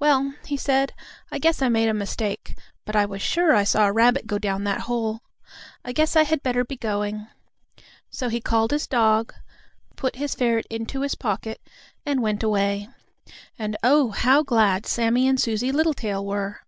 "Well," he said, "I guess I made a mistake, but I was sure I saw a rabbit go down that hole. I guess I had better be going." So he called his dog, put his ferret into his pocket and went away. And, oh, how glad Sammie and Susie Littletail were!